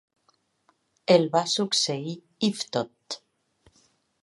El va succeir Yvetot.